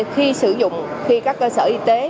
khi sử dụng khi các cơ sở y tế